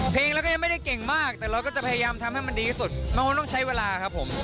เพลงเราก็ยังไม่ได้เก่งมากแต่เราก็จะพยายามทำให้มันดีที่สุดมันคงต้องใช้เวลาครับผม